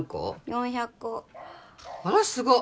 ４００個あらすごっ！